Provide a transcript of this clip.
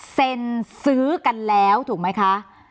เซ็นซื้อกันแล้วถูกไหมคะ